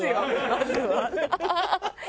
まずは。